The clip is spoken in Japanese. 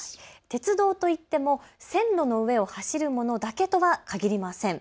鉄道といっても線路の上を走るものだけとは限りません。